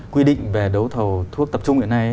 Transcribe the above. quy định về đấu thầu thuốc tập trung hiện nay